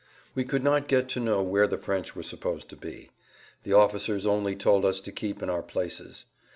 We could not get to know where the French were supposed to be. The officers only told us to keep in our places.